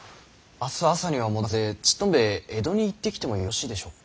明日朝には戻りますのでちっとんべぇ江戸に行ってきてもよろしいでしょうか。